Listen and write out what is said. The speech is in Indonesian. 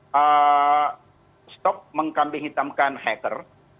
berhenti mengkambing hitamkan hacker